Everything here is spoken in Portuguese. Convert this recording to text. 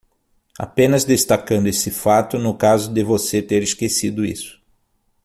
Apenas destacando esse fato no caso de você ter esquecido isso.